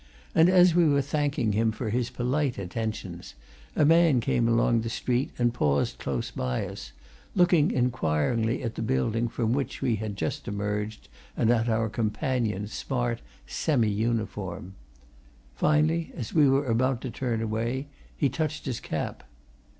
And as we were thanking him for his polite attentions, a man came along the street, and paused close by us, looking inquiringly at the building from which we had just emerged and at our companion's smart semi uniform. Finally, as we were about to turn away, he touched his cap.